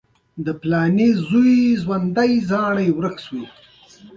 پیلوټ د مسافرو زړونه خوښوي.